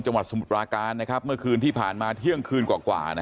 จังหวัดสมุดราการนะครับเมื่อคืนที่ผ่านมาเที่ยงคืนกว่านะ